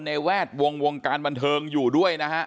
แวดวงวงการบันเทิงอยู่ด้วยนะฮะ